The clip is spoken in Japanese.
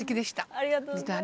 ありがとうございます。